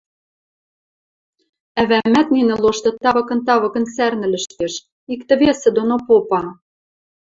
Ӓвӓмӓт нинӹ лошты тавыкын-тавыкын сӓрнӹлӹштеш, иктӹ-весӹ доно попа.